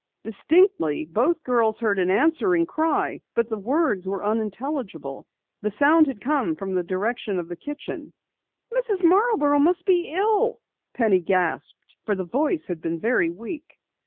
Distinctly, both girls heard an answering cry, but the words were unintelligible. The sound had come from the direction of the kitchen. "Mrs. Marborough must be ill!" Penny gasped, for the voice had been very weak.